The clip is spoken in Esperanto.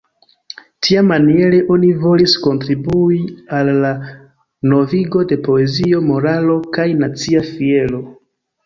Tiamaniere oni volis kontribui al la novigo de poezio, moralo kaj nacia fiero.